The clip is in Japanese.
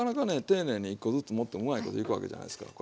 丁寧に１個ずつ盛ってもうまいこといくわけじゃないですから。